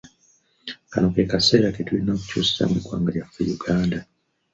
Kano ke kaseera ke tulina okukyusizaamu eggwanga lyaffe Uganda.